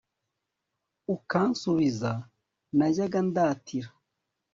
ukansubiza.najyaga ndatira